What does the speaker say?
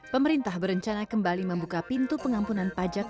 pemerintah berencana kembali membuka pintu pengampunan pajak